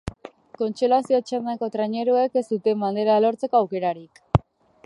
Kontsolazio txandako traineruek ez zuten bandera lortzeko aukerarik.